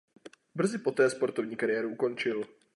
Brzy poté sportovní kariéru ukončil.